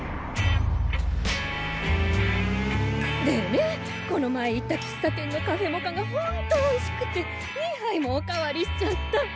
でねこの前行った喫茶店のカフェモカが本当おいしくて２杯もお代わりしちゃった。